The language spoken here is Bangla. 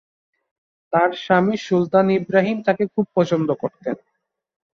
তার স্বামী সুলতান ইব্রাহিম তাকে খুব পছন্দ করতেন।